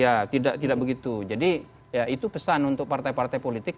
ya tidak begitu jadi ya itu pesan untuk partai partai politik